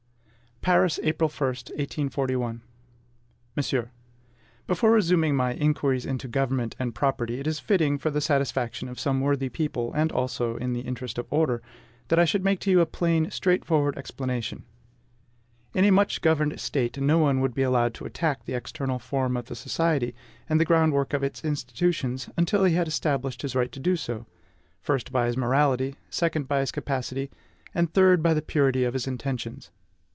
SECOND MEMOIR. PARIS, April 1, 1841. MONSIEUR, Before resuming my "Inquiries into Government and Property," it is fitting, for the satisfaction of some worthy people, and also in the interest of order, that I should make to you a plain, straightforward explanation. In a much governed State, no one would be allowed to attack the external form of the society, and the groundwork of its institutions, until he had established his right to do so, first, by his morality; second, by his capacity; and, third, by the purity of his intentions.